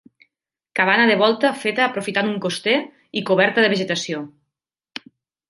Cabana de volta feta aprofitant un coster i coberta de vegetació.